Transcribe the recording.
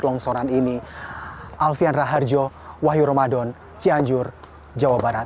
longsoran ini alfian raharjo wahyu ramadan cianjur jawa barat